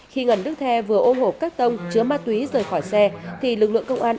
khi ngân đức the vừa ôm hộp các tông chứa ma túy rời khỏi xe thì lực lượng công an